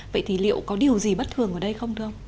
vậy thì liệu có điều gì bất thường ở đây không thưa ông